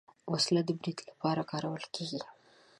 وسله د برید لپاره کارول کېږي